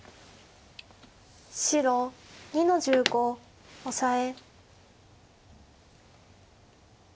白２の十五オサエ。